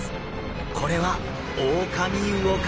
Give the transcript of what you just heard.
これはオオカミウオか！？